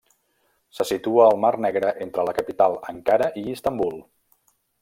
Se situa al Mar Negre entre la Capital Ankara i Istanbul.